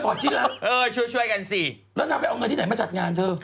อะไรล่ะช่วยกันสิแล้วนายไปเอาเงินที่ไหนมาจัดงานเถอะ